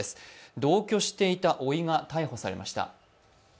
同居していたおいが逮捕されました。